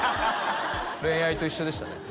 恋愛と一緒でしたね